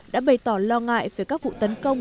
đã bày tỏ lo ngại về các vụ tấn công